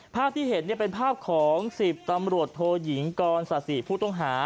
ภาพที่เห็นเป็นภาพของ๑๐ตำรวจโทยิงกรศาสิผู้ต้องหา